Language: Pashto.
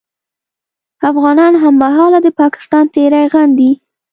افغانان هممهاله د پاکستان تېری غندي